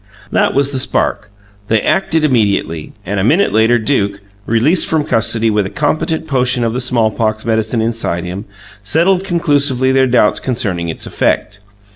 That was the spark. They acted immediately; and a minute later Duke, released from custody with a competent potion of the smallpox medicine inside him, settled conclusively their doubts concerning its effect.